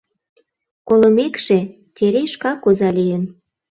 Колымекше, Терей шкак оза лийын.